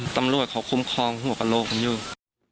ตำรวจเขาคุ้มครองหัวกระโลกกันอยู่